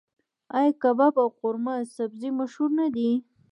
آیا کباب او قورمه سبزي مشهور نه دي؟